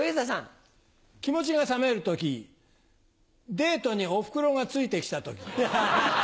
デートにおふくろがついてきた時。